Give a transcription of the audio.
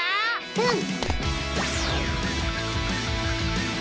うん！